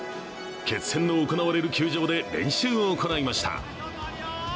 決戦の行われる球場で練習を行いました。